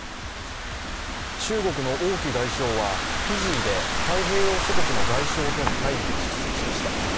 中国の王毅外相はフィジーで太平洋諸国の外相との会議に出席しました。